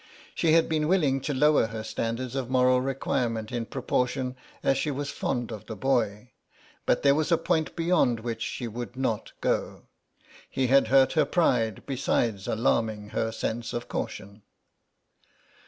She had been willing to lower her standard of moral requirements in proportion as she was fond of the boy, but there was a point beyond which she would not go. He had hurt her pride besides alarming her sense of caution.